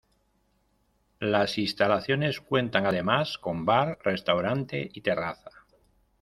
Las instalaciones cuentan además con bar, restaurante y terraza.